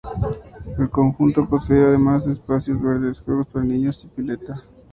El conjunto posee, además, espacios verdes, juegos para niños y pileta.